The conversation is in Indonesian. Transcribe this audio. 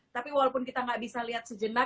tapi walaupun kita gak bisa liat sejenak